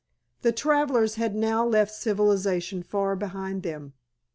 The travelers had now left civilization far behind them.